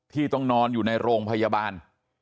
ที่ต้องนอนอยู่ในโรงพยาบาล